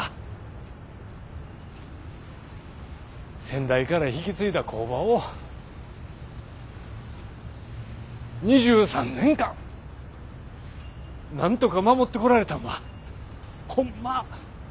先代から引き継いだ工場を２３年間なんとか守ってこられたんはホンマ